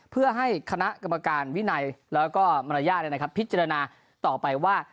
เพื่อให้คณะกรรมการวินัยแล้วก็มารยาทพิจารณาต่อไปว่า